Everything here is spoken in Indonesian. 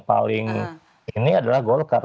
paling ini adalah golkar